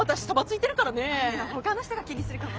いやほかの人が気にするかも。